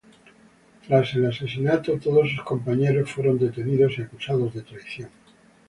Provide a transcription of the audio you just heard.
Tras el asesinato, todos sus compañeros fueron detenidos y acusados de traición.